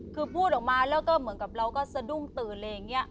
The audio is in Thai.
คือพูดออกมาแล้วก็เหมือนกับเราก็สะดุ้งตื่นอะไรอย่างนี้